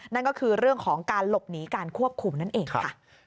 นั่นก็คือเรื่องของการหลบหนีการควบคุมนั่นเองค่ะ